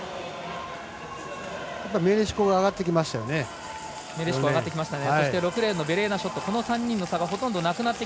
メレシコが上がってきましたよね。